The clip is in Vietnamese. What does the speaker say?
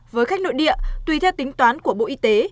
với khách nội địa tùy theo tính toán của bộ y tế